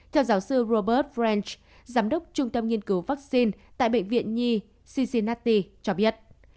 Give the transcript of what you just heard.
theo giáo sư robert french giám đốc trung tâm nghiên cứu vaccine tại bệnh viện nhi cincinnati cho biết